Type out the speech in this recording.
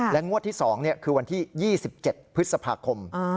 งวดที่๒คือวันที่๒๗พฤษภาคม